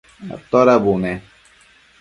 atoda bune?